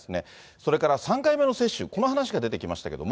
それから３回目の接種、この話が出てきましたけれども。